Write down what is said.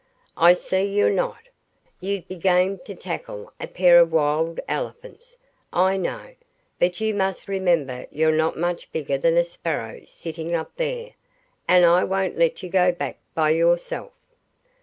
"I see you're not. You'd be game to tackle a pair of wild elephants, I know, but you must remember you're not much bigger than a sparrow sitting up there, and I won't let you go back by yourself."